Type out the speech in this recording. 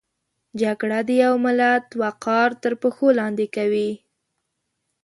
جګړه د یو ملت وقار تر پښو لاندې کوي